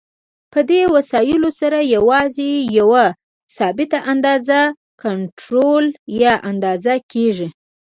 په دې وسایلو سره یوازې یوه ثابته اندازه کنټرول یا اندازه کېږي.